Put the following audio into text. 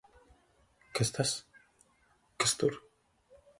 Kas tas! Kas tur!